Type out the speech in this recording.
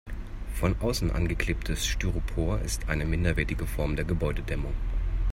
Von außen angeklebtes Styropor ist eine minderwertige Form der Gebäudedämmung.